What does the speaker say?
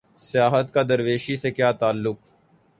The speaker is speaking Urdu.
سیاست کا درویشی سے کیا تعلق؟